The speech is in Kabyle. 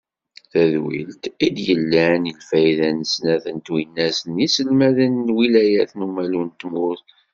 Tadwilt i d-yellan, i lfayda n snat twinas n yiselmaden, n lwilayat n umalu n tmurt.